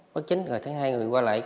bất chính là thấy hai người qua lại